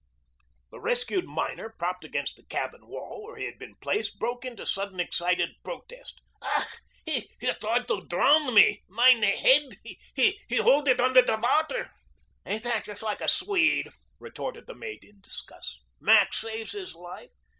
The rescued miner, propped against the cabin wall where he had been placed, broke into sudden excited protest. "Ach! He tried to drown me. Mein head he hold it under the water." "Ain't that just like a Swede?" retorted the mate in disgust. "Mac saves his life.